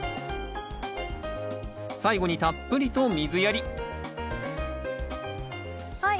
最後にたっぷりと水やりはい。